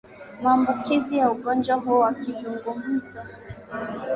maambukizi ya ugonjwa huo WakizungumzaWakizungumza na Redio Tumaini baadhi ya wananchi wa maeneo ya